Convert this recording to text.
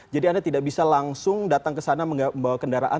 jadi anda tidak bisa langsung datang ke sana membawa kendaraan